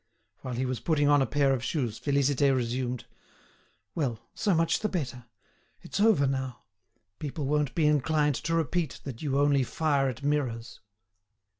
While he was putting on a pair of shoes, Félicité resumed: "Well! so much the better! It's over now. People won't be inclined to repeat that you only fire at mirrors."